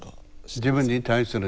自分に対するね。